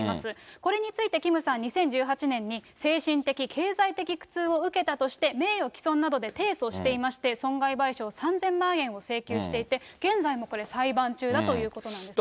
これについて、キムさん、２０１８年に精神的・経済的苦痛を受けたとして、名誉毀損などで提訴していまして、損害賠償３０００万円を請求していて、現在もこれ裁判中だということなんですね。